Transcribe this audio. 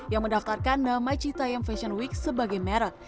yang mendaftarkan nama cita yang fashion week sebagai merek